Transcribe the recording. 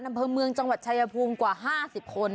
อำเภอเมืองจังหวัดชายภูมิกว่า๕๐คน